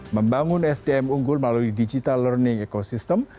membangun sdm unggul melalui digital learning ekosistem